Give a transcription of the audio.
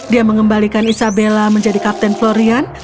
dia mengembalikan isabella menjadi kapten florian